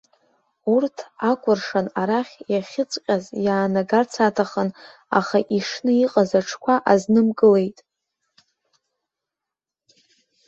Урҭ акәыршан арахь иахьыҵҟьаз иаанагарц аҭахын, аха ишны иҟаз аҽқәа азнымкылеит.